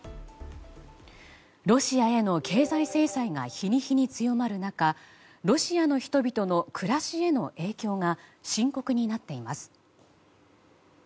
ロシアへの経済制裁が日に日に強まる中ロシアの人々の暮らしへの影響が深刻になっています。